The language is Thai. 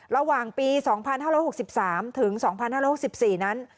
ระหว่างปีสองพันห้าร้อยหกสิบสามถึงสองพันห้าร้อยหกสิบสี่นั้น